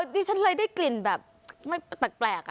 ดิฉันเลยได้กลิ่นแบบไม่แปลก